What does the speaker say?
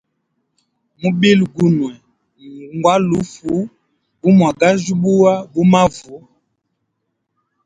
Mubili Gunwe ngwalufu, gumwagajyubuwa bu mavu.